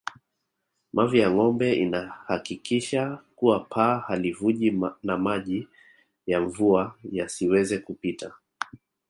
Mavi ya ngombe inahakikisha kuwa paa halivuji na maji ya mvua yasiweze kupita